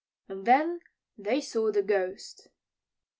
And then they saw the Ghost!